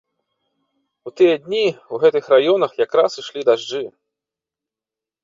У тыя дні ў гэтых раёнах якраз ішлі дажджы.